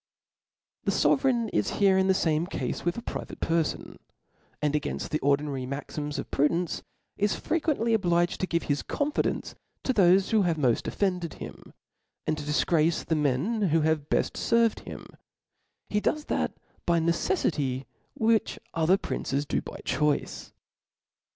The Sovereign is here in the fame cafe with a private perfon^ and againft the ordinary maxims of prudence, is frequently obliged to give his con^ fidence to thofe who have mod' offended him, and to dtfgrace the men who have beft ferved him : ht does that by necefllcy which other princes do by choice.